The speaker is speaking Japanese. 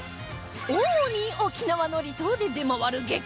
主に沖縄の離島で出回る激